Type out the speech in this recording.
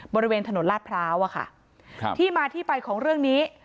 บริเวณถนนลาดพร้าวอะค่ะครับที่มาที่ไปของเรื่องนี้